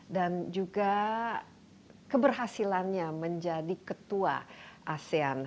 dan juga keberhasilannya menjadi ketua asean